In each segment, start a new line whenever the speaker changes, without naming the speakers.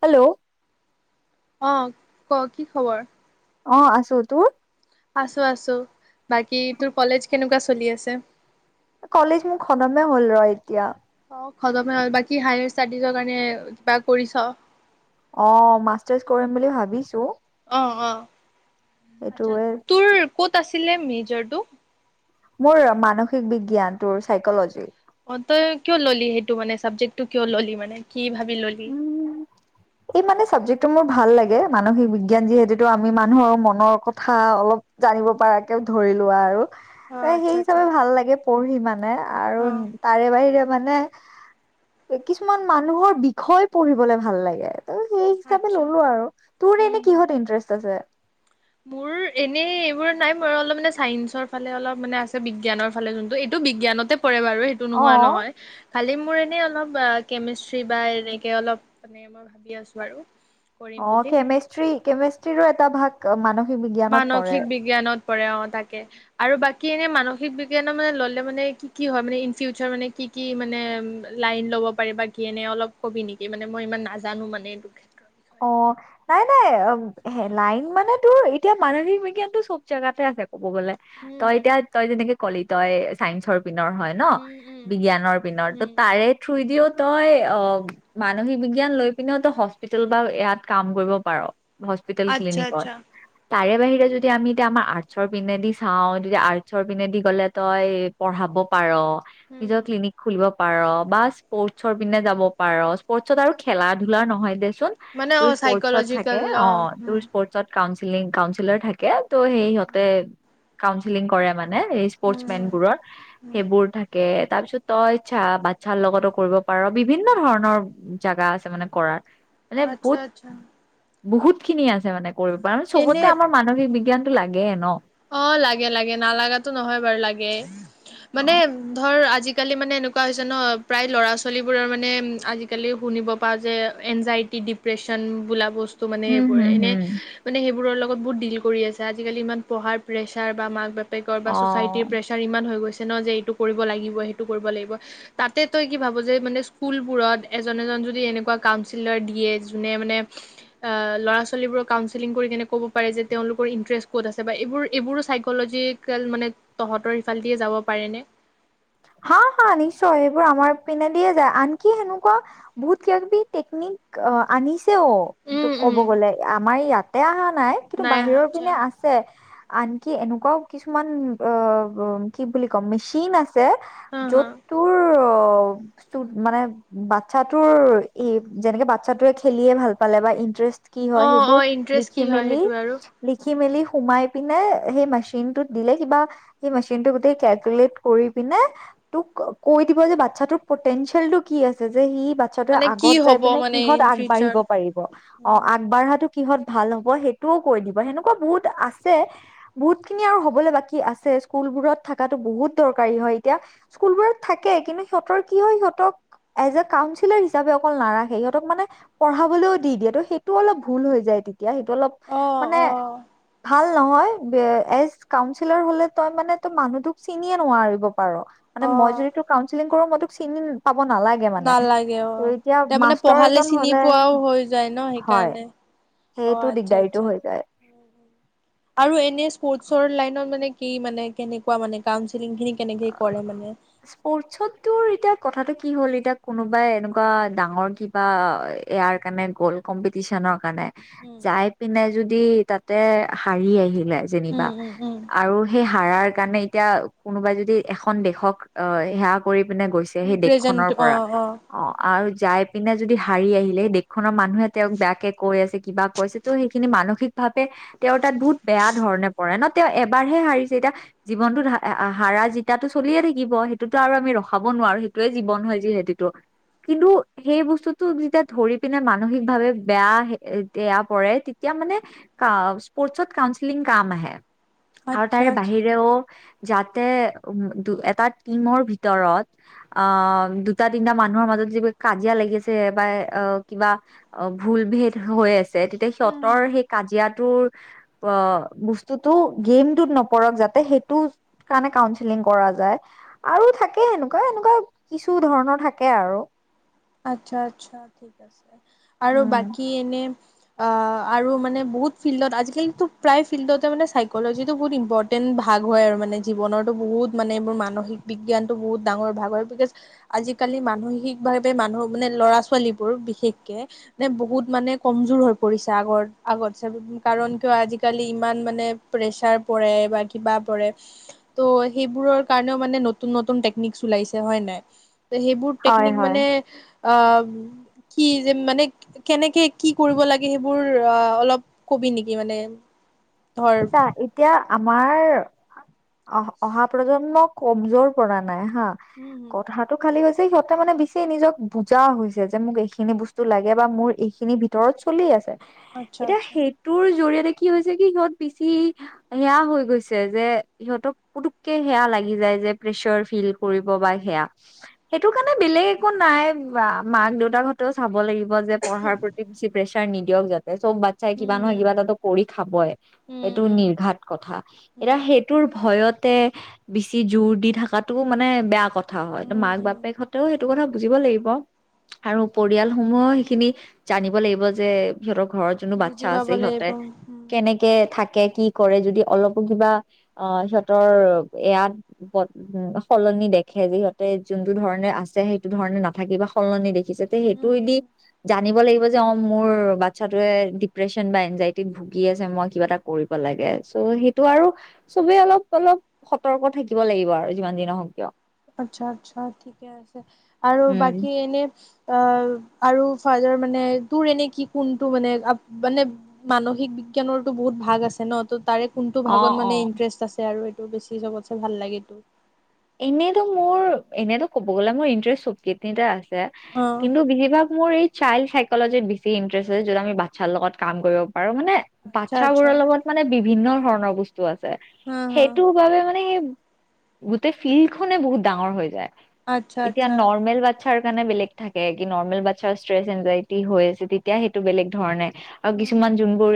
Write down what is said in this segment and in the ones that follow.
Hello
অহ ক কি খবৰ।
অহ আছো তোৰ।
আছোঁ আছোঁ বাকী তোৰ কলেজ কেনেকুৱা চলি আছে?
কলেজ মোৰ খতমে হ'ল ৰ এতিয়া।
অহ খতমে হল বাকী হায়াৰ ষ্টডিজৰ কাৰণে কিবা কৰিছ।
অহ মাষ্টাৰ্চ কৰিম বুলি ভাবিছো।
অহ অহ। আটচা
সেইটোৱে
তোৰ ক'ত আছিলে মেজি। [inaudible]
মোৰ মানসিক বিজ্ঞান তোৰ চাইকলজি।
অ' তই কিয় ল'লি সেইটো মানে চাবজেক্টটো কিয় ল'লি মানে? কি ভাবি ললি?
সেইটো মোৰ ভাল লাগে মানসিক বিজ্ঞান যিহেতুটো আমি মানুহৰ মনৰ কথা অলপ জানিব পৰাকে ধৰি লোৱা আৰু।
অ
সেই
আচ্ছা আচ্ছা
হিচাপে ভাল লাগে পঢ়ি। মানে। আৰু তাৰে বাহিৰে। মানে কিছুমান মানুহৰ হৈ পঢ়িবলৈ ভাল লাগে। ত' সেই হিচাপে
আচ্ছা
ল'লো আৰু তোৰ
উম
এনে
হুম
কিহত ইণ্টাৰেষ্ট আছে?
মোৰ এনেই এইবোৰ নাই মোৰ অলপ মানে চাইন্সৰ ফালে অলপ মানে আছে বিজ্ঞানৰ ফালে যোনটো এইটো বিজ্ঞানতে পৰে বাৰু সেইটো নোহোৱা
অ
নহয়। খালি মোৰ এনেই অলপ কেমিষ্ট্ৰি বা এনেকে অলপ মানে মই ভাবি আছোঁ আৰু। কৰিম
অ'
বুলি
কেমেষ্ট্ৰি - কেমেষ্ট্ৰি ৰো এটা ভাগ অলপ মান।
মানসিক বিজ্ঞানত। অ' তাকে আৰু বাকী এনে মানসিক বিজ্ঞানৰ মানে ললে মানে কি- কি হয় মানে ইন ফিউচাৰ মানে কি- কি মানে লাইন লব পাৰি ব কি এনে অলপ কবি নেকি মানে মই ইমান নাজানো মানে এইটো ক্ষেত্ৰত?
অ' নাই- নাই লাইন মানে তো এতিয়া মানসিক বিজ্ঞানতটো চব জেগাতে আছে। ক'ব গ'লে তই
উম
এতিয়া তই যেনেকে কলি তই চাইন্সৰ পিনৰ হয় ন
উম উম উম
বিজ্ঞানৰ পিনৰ! ত'
উম
তাৰে থ্ৰু দিও তই অ' মানসিক বিজ্ঞান লৈ পিনেও তই হস্পিতালত বা, ইয়াত কাম কৰিব পাৰ। হস্পিটেল
আচ্ছা
ক্লিনিকত।
আচ্ছা
তাৰে বাহিৰে যদি আমি এতিয়া আমাৰ আৰ্টছৰ পিনেদি চাওঁ তেতিয়া আৰ্টচৰ পিনেদি গ'লে তই পঢ়াব পাৰ। নিজৰ
উম
ক্লিনিক খুলিব, পাৰ বা স্পৰ্টচৰ পিনে যাব পাৰ স্পৰ্টচত আৰু খেলা ধূলা নহয় দে, চোন
মানে অ
তোৰ স্পৰ্টচত থাকে
চাইকলজিকেল
অ তোৰ
উম
স্পৰ্টচত কাঞ্চিলিং কাউন্ঞ্চিলাৰ থাকে। ত
উম
সেইহঁতে, কাউচেলিং কৰে মানে। মানে এই স্পৰ্টচ মেন
উম
বোৰৰ
উম
সেইবোৰ থাকে। তাৰপিছত তই চা বাচ্ছাৰ লগতো কৰিব পাৰ বিভিন্ন ধৰণৰ জোগা আছে মানে কৰাৰ।
আতছা, আতচ্ছা।
বহুতখিনি আছে মানে কৰিব পাৰা আমি চবতে আমাৰ মানসিক বিজ্ঞান লাগে ন?
অ', লাগে, লাগে নালাগাটো নহয় বাৰু লাগে মানে
অ'।
ধৰ আজি আজিকালি মানে এনেকুৱা হৈছে ন' প্ৰায় ল'ৰা ছোৱালীবোৰৰ মানে আজিকালি শুনিব পাওঁ যে, এনজাইটি ডিপ্ৰেশ্যন বোলা বচ মানে
উম,
সেইবোৰৰে
হুম,
এনে
হুম,
মানে সেই বোৰৰ লগত বহুত দিল কৰি আছে আজিকালি ইমান পঢ়াৰ প্ৰেছাৰ বা মাক বাপেক কৰ বা,
অ'।
ছ'চাইটিৰ প্ৰেছাৰ ইমান হৈ গৈছে এইটো কৰিব লাগিব, সেইটো কৰিব লাগিব তাতে তই কি ভাব যে, মানে স্কুলবোৰত এজন, এজন যদি এনেকুৱা কাউঞ্চিলাৰ দিয়ে যোনে মানে আ, ল'ৰা ছোৱালীবোৰক কাউঞ্চিলিঞ কৰি কেনে ক'ব পাৰে যে, তেওঁলোকৰ ইন্টাৰেষ্ট ক'ত আছ বা এইবোৰ, এইবোৰো চাইকলজিকেল মানে তহঁতৰ সিফাল দিয়ে যাব পাৰেনে?
হা, হা নিশ্চয় সেইবোৰ আমাৰ পিনে দিয়ে যায় আনকি সেনেকুৱা বহুত কিবা কিবি টেকনিক অ', আনিছ ছেও টো
উম
ক'ব
উম
গ'লে, আমাৰ ইয়াত তেহা নাই কিন্তু
আহা
বাহিৰৰ
আচ্ছা
পিনে আছে। আনকি এনেকুৱাও কিছুমান অ', অ', কি বুলি কম মেশ্বিন আছ ছে
হা হা
য'ত তোৰ টোত মানে বাচ্ছাটোৰ এ যেনেকে বাচ্ছাটোৱে খেলিয়ে ভাল পালে বা ইন্টাৰেষ্ট কি হয়
অ অ
সেইবোৰ
ইণ্টাৰেষ্ট
লিখি
কি হয়
মেলি,
সেইটো আৰু
লি ৰাখি মেলি সোমাই পিনে সেই মেশ্বিনটোত দিলে কিবা সেই মেশ্বিনটো গোটেই কেলকুলেট কৰি পিনে তোক কৈ দিব যে বাচ্ছাটোৰ প'টেন্চিয়েলটো কি আছে যে সি বাচ্ছাটোৱে
মানে কি
আগত যাই
হ'ব
পিনে
মানে
কিহঁত
ইন ফিউচাৰ
আগবাঢ়িব পাৰিব,
উম
অ',
হুম
আগবঢ়াটো কিহঁত ভাল হ'ব সেইটোও কৈ দিব সেনেকুৱা বহুত আছে, বহুত খিনি আৰু হ'বলৈ বাকী আছে স্কুলবোৰত থাকাটো বহুত দৰক কাৰী হয় এতিয়া স্কুলবোৰত থাকে কিন্তু সিহঁতৰ কি হয় সিহঁতক এজ এ কাউঞ্চিলাৰ হিচাপে অকল নাৰাখে, সিহঁতক মানে পঢ়াবলৈও দি দিয়ে ত' সেইটো অলপ ভুল হৈ যায় তে তিয়া সেইটো অলপ
অ
মানে
অ
ভাল নহয় বে এই কাউঞ্চিলাৰ হ'লে তই মানুহটোক চিনিয়ে নোৱাৰিব। পাৰ' মানে
অ
মই যদি তোৰ কাউঞ্চিলিং কৰোঁ মই তোক চিনি পা
নালাগে অ', তাৰমানে
মাষ্টৰ
পঢ়ালে
এজন
চিনি
হলে
পোৱাও হৈ যায় ন'
হয়
সেইকাৰণে। অ',
সেইটো
আতচ্ছা,
দিগদাৰিটো
আতচ্ছা।
হৈ যায়
আৰু এনে স্পৰ্টছৰ লাইনত মানে কি মানে, কেনেকুৱা মানে কাউন্স
স্পৰ্টছত তোৰ এতিয়া কথাটো ক কি হ'ল, এতিয়া কোনোবাই এনেকুৱা ডাঙৰ কিবা এয়াৰ কাৰণে গ'ল্ড কম্পিটিচনৰ কাৰণে
উম
যায় পিনাই যদি তাতে হাৰি আহিল লে যেনিবা
উম, উম, উম,
আৰু সেই হাৰাৰ কাৰণে এতিয়া কোনোবাই যদি ই এখন দেশক অহ সেৱা কৰি মানে গৈছে সেই
ৰিপ্ৰেজেণ্ট
দেশখনৰ পৰা।
অ', অ',
অহ আৰু যাই পিনে যদি হাৰি আহিলে, দেশখনৰ মানুহে তেওঁক বেয়াকে কৈ আছে কিবা কৈছে তহ সেইখিনি মানসিক ভাৱে তেওঁৰ তাত বহুত বেয়া ধৰণে পৰে নহ তেওঁ এবাৰহে হাৰিছে এতিয়া জীৱনটোত হা হাৰা জিকা জিকাটো চলিয়ে থাকিব সেইটোতো আৰু আমি ৰখাব নোৱাৰো সেইটোৱে জীৱন হয় যিহেটিটো। কিন্তু সেই বস্তুটো যেতিয়া ধৰি পিনে মানসিকভাৱে বেয়া এয়া পৰে তেতিয়া মানে স্পৰ্টচত কাউনচেলিং কাম আহে আৰু
আচ্ছা,
তাৰে
আচ্ছা।
বাহিৰেও যাতে উম দু এটা টিমৰ ভিতৰত অহ দুটা তিনিটা মানুহৰ মাজত যে কাজিয়া লাগি আছে বা কিবা ভুল ভেদ হৈ আছে তেতিয়া সিহঁতৰ সেই কাজিয়াটোৰ অহ বস্তুটো গেমটোত নপৰক যাতে সেইটো কাৰণে কাউন্সি কাউন্সিলিং কৰা যায় আৰু থাকে সেনেকুৱা এনেকুৱা কিছু ধৰণৰ থাকে আৰু
আচ্ছা আচ্ছা আৰু
উম
বাকী এনে অহ আৰু মানে বহুত ফিল্ডত আজিকালি তো প্ৰায় ফিল্ডতে‌‌ চাইকলজিটো বহুত ইম্পৰ্টেন্ট ভাগ হয় আৰু মানে জীৱনৰ বহুত মানে মানসিক বিজ্ঞানটো বহুত ডাঙৰ ভাগ হয় বিকজ আজিকালি মানসিক ভা তে মানুহ মানে ল'ৰা- ছোৱালীবোৰ বিশেষকে, যে বহুত মানে কমজোৰ হৈ পৰিছে আগৰ‌ আগতছে, কাৰণ কিয় আজিকালি ইমান মানে প্ৰেচাৰ পৰে, বা কিবা পৰে, তহ সেইবোৰৰ কাৰণও মানে নতুন নতুন টেকনিক উলাইছে হয় নাই সেইবোৰ
হয়
টেকনিক
হয়
মানে অহ, কি যেন মানে কেনেকে কি কৰিব লাগে সেইবোৰ অহ অলপ কবি নেকি মানে ধৰ
চা এতিয়া- আমাৰ অ অহা প্ৰজন্ম কমজোৰ পৰা নাই হা
উম হম
কথাটো খালি হৈছে সিহঁতে মানে বেছি নিজক বুজা হৈছে যেন মোক এইখিনি বস্তু লাগে বা মোৰ এইখিনি ভিতৰত চলি আছে।
আচ্ছা
এতিয়া
আচ্ছা
সেইটোৰ জৰিয়তে কি হৈছে কি সিহঁত পিছি, সেয়া হৈ গৈছে যে, সিহঁতক পুতুককে সেয়া লাগি যায় যে প্ৰেচাৰ ফিল কৰিব বা সেয়া, সেইটো কাৰণে বেলেগ একো নাই মাক-দেউতাকহতেও চাব লাগিব লাগিব যে পঢ়াৰ প্ৰতি বেছি প্ৰেছা প্ৰছাৰ নিদিয়ক যাতে তে চব বাচ্ছাই কিবা নহয়
উম
কিবা এটা কৰি খাবই
উম
এইটো
উম
নিৰ্ঘাত কথা,
উম
এতিয়া সেইটোৰ ভয়তে, বেছি জোৰ দি থকাটো মানে বেয়া কথা কথা হয়,
উম উম
মাক
উম
বাপেকহঁতেও সেইটো কথা বুজিব লাগিব আৰু পৰিয়ালসমূহ সেইখিনি জানিব লাগিব যে সিহঁতক ঘৰত যোনটো
বুজি
বাচ্ছা
পাব
আছে
লাগিব
সিহঁতে,
উম
কেনেকে থাকে কি কৰে যদি, অলপো কিবা, অ' সিহঁতৰ ইয়াত [unintelligible] সলনি দেখে, যিহঁতে যোনতটো ধৰণে আছে সেইটো ধৰণে নাথাকিব বা সলনি দেখে যাতে সেইটোৱে
উম
দি জাত জানিব লাগিব যে, অঁ মোৰ বাচ্ছাটোৱে ডিপ্ৰেশ্যন বা এনজাইটিত ভুগি আছে মই কিবা এটা কৰিব লাগে, চ' সেইটো আৰু, চবে অলপ-অলপ সতৰ্ক থাকিব লাগিব আৰু যিমান দিন নহওক কিয়।
আচ্ছা আচ্ছা ঠিকে আছে, আৰু
উম
বাকী এনে আহ আৰু ফাইডাৰ মানে তোৰ এনে কি কোনটো মানে-আব মানে মানসিক বিজ্ঞানৰো বহুত ভাগ আছে ন, ত তাৰে কোনটো
অ
ভাগত
অ
মানে ইণ্টাৰেষ্ট আছে আৰু বেছি চবতছে ভাল লাগে তোক?
এনেইতো মোৰ এনেইতো কব গলে মোৰ ইন্টষ্টব কেই আছ ছে,
অ
কিন্তু বেছিভাগ মোৰ এই চাইল চাইকলজিত বেছি ইন্টাৰেষ্টছে, যত আমি বাচ্ছাৰ লগত কাম কৰিব পাৰো, মানে
আচ্ছা আচ্ছা
বাচ্ছাবোৰৰ লগত মানে বি ভিন্ন ধৰণৰ বস্তু টো আছে,
হা হা
সেইটো বাবে মানে সে [inaudible] [unintelligible] ফিল্ডখনে বহুত ডাঙৰ হৈ যায়।
আচ্ছা
এতিয়া
আচ্ছা
নৰ্মেল বা বাচ্ছাৰ কাৰণে বেলেগ থাকে, কি নৰ্মেল বাচ্ছাৰ ষ্ট্ৰেচ এনজাইটি হৈ আছে, তেতিয়া সেইটো বেলেগ ধৰণে আৰু
অ
কিছুমান যোনবোৰ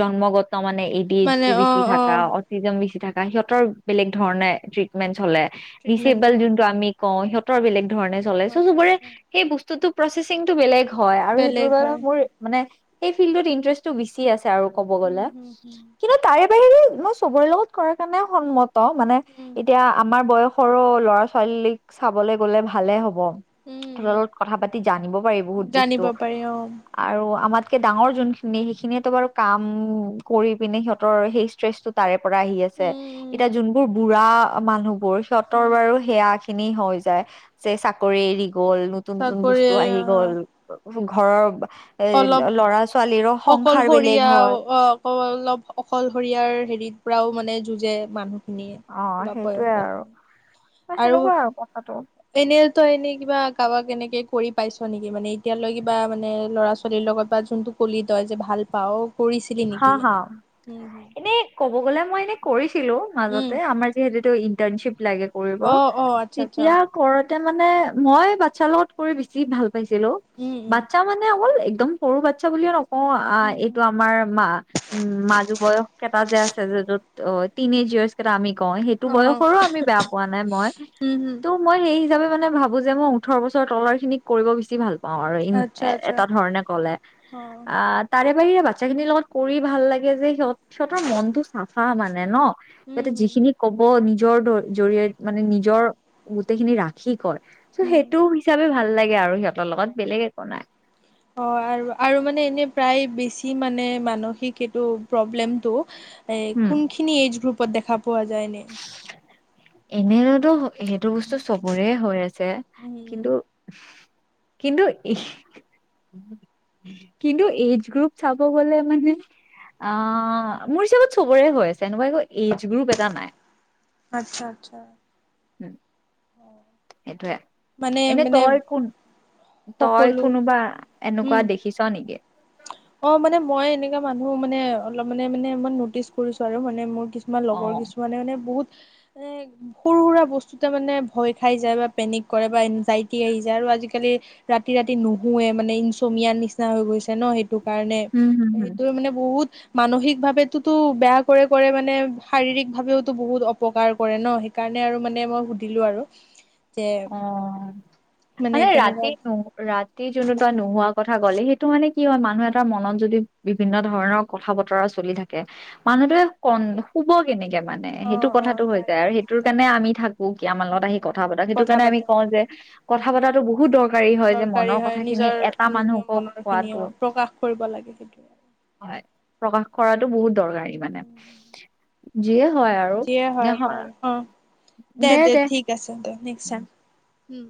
জন্ম গত ত' মানে এ ডি এইচ
মানে অ
ডি-ভি-চি
অ
থাকা, অতিছজিম বেছি থাকা সিহতৰ বেলেগ ধৰণে ট্ৰি মেন চলে।
ট্ৰিটমেণ্ট
দিচেবল
অ
যোনটো আমি কওঁ, সিহঁতৰ বেলেগ ধৰণে চলাই চ'
আচ্ছা
চবৰে
আচ্ছা
সেই বস্তু টো প্ৰচেছিংটো বেলেগ হয় আৰু সেইটোৰ
বেলেগ
বাবে
হয়
মোৰ মানে সেই ফিল্ডত ইণ্টাৰেষ্টটো বেছি আছে আৰু ক'ব
উম
গ'লে,
হুম হুম
কিন্তু তাৰে [unintelligible] চবৰে লগত কৰাৰ কাৰণে সন্মত ত' মানে
উম
এতিয়া আমাৰ বয়স সৰু ল'ৰা ছোৱালীক চাবলৈ গলে ভালে হ'ব।
উম
[unintelligible] কথা পাতি জানিব পাৰি বহুত বস্তু
জানিব পাৰি অ
আৰু আমাৰ কে ডাঙৰ যোনখিনি সেইখিনিয়েতো বাৰু কাম কৰি পিনে সিহঁতৰ সেই ষ্ট্ৰেছটো তাৰে পৰা আহি আছে
উম উম
এতিয়া যোনবোৰ বুঢ়া মানুহ।
উম
[unintelligible] বাৰু সেয়া খিনি হৈ যায় যে চাকৰি এৰি গ'ল নুতন নুতন
চাকৰি
বস্তু আহি
অ
গ'ল। ঘৰৰ এ
অলপ
লৰা ছোৱালীৰো সংসাৰ
অকলশৰীয়া
বেলেগ হয়।
অ অক অলপ অকলশৰীয়াৰ হেৰিত পৰাও মানে যুঁজে মানুহ
অ', সেইটোৱে আৰু। বা
আৰু
সেনেকুৱা কথাটো
এনেতো এনেই কিবা কাৰবাৰ কেনেকে কৰি পাইছ নেকি মানে এতিয়ালৈ কিবা মানে ল'ৰা ছোৱালীৰ লগত বা যোনটো কলি তই যে ভাল পাও কৰিছিলি
হা
নেকি
হা
এনে উম হম
এনে ক'ব গ'লে মই এনে কৰি ছিলো
উম
মাজতে আমাৰ যিহেতুটো টাৰ্ণচিপ। লাগে কৰিব
অ অ আচ্ছা আচ্ছা
তেতিয়া কৰ এতিয়া মানে মই বাচ্ছাৰ লগত কৰি বেছি ভাল পা পাইছিলো
উম উম
বাচ্ছা মানে অকল একদম সৰু বাচ্ছা বুলিও ন অ', আ
উম
এইটো
হুম
আমাৰ উম মাজু বয়স কেটা যে আছে যত অ', তিনেজাৰ বয়স কেইটা আমি কও সেইটো
অ
বয়সৰো আমি বেয়া পোৱা নাই মই
উম হুম
ত' মই সেই হিচাপে মানে ভাবো যে মই ওঠৰ বছৰ তলৰ খিনিক কৰিব বেছি ভাল অ', আৰু ই
আচ্ছা
এ
আচ্ছা
এটা ধৰণে ক'লে
অ
আ তাৰে [unintelligible] বচ্ছাখিনিৰ লগত কৰি ভাল লাগে যে সিহঁত সিহঁতৰ মনটো চাফা মানে ন
উম
সিহঁতে
হুম
যিখিনি কব নি নিজৰ জৰিয়ত মানে নিজৰ গোটেইখিনি ৰাখি কয়। চ'
উম
সেইটো হিচাপে ভাল। ভাল লাগে আৰু সিহঁতৰ লগত বেলেগ একো নাই।
অ', আৰু আৰু মানে এনে প্ৰায় বেছি মানে মানসিক এইটো প্ৰব্লেমটো এ
উম
কোনখিনি এইজ গ্ৰুপত দেখা পাই পোৱা যায়নে?
এনেয়োটো সেইটো বস্তু চবৰে হৈ আছে,
উম,
কিন্তু কিন্তু, কিন্তু এইজ গ্ৰুপ চাব গ'লে মানে অ', মোৰ হিচাপত চবৰে হৈ আছে এনেকুৱা একো এইজ গ্ৰুপ এটা নাই।
আতচ্ছা, আতচ্ছা।
উম। সেইটোৱে
মানে
এনে
মানে
তই কোন, তই
সকলো
কোনোবা এনেকুৱা
উম
দেখিছ নেকি?
অ', মানে মই এনেকা মানুহ মানে অলপ মানে, মানে নটিচ কৰিছোঁ আৰু মানে মোৰ কি কিছুমান লগৰ
অ
কিছুমানে মানে বহুত এ, সৰু সুৰা বস্তুতে মানে ভয় খাই যায় বা পেনিক কৰে বা এনজাইটি আহি যায় আৰু আজিকালি ৰাতি, ৰাতি নুশুৱে মানে ইনচ'মিয়াৰ নিচিনা হৈ গৈছে ন' সেইটো। কাৰণে
উম, হুম, হুম,
সেইটোৱে মানে বহুত মানসিক ভাবেতোটো বেয়া কৰে, কৰে মানে শাৰীৰিক ভাৱেয়োটো বহুত অপকাৰ কৰে ন' সেইকাৰণে আৰু মানে মই সুধিলোঁ আৰু। যে
অ', মানে ৰাতি ন ৰাতি যোনটো তই নুশুৱা কথা ক'লি সেইটো মানে কি হয় মানুহ এটাৰ মনত যদি বিভিন্ন ধৰণৰ কথা-বতৰা চলি থা কে মানুহটোৱে কন শুব কেনেকে? মানে
অ
সেইটো
অ
কথাটো হৈ যায়
তাকে
আৰু সেইটোৰ কাৰণে
তাকে
আমি থাকোঁ কি আমাৰ লগত আহি
উম
কথা
উম
পাতক সেইটো
কথা
মানে আমি
পাতা
কওঁ যে ক কথা পাতাটো ব বহুত দৰকাৰী হয় যে
দৰকাৰী
মনৰ
হয়
কথাখিনি
নিজৰ
এটা
নিজৰ
মানুহক
মনৰ খিনি
কোৱাটো,
প্ৰকাশ কৰিব লাগে সেইটো
হয় প্ৰকাশ কৰাটো বহুত দৰকাৰী মানে, যিয়ে হয় আৰু
যিয়ে হয়
নহ
বাৰু অ
দে, দে।
ঠিক আছে দে নেক্সট টাইম উম।